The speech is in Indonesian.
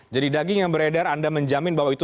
jadi daging yang beredar anda menjamin bahwa itu